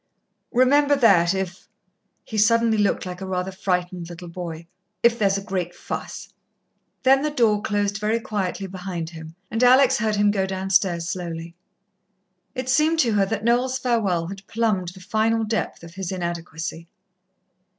Remember that, if" he suddenly looked like a rather frightened little boy "if there's a great fuss." Then the door closed very quietly behind him, and Alex heard him go downstairs slowly. It seemed to her that Noel's farewell had plumbed the final depth of his inadequacy.